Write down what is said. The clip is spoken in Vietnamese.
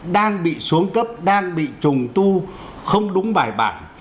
đang bị xuống cấp đang bị trùng tu không đúng bài bản